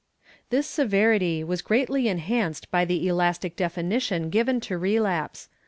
This severity was greatly enhanced by the elastic definition given to relapse.